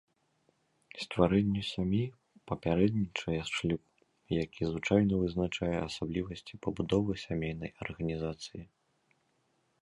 Стварэнню сям'і папярэднічае шлюб, які звычайна вызначае асаблівасці пабудовы сямейнай арганізацыі.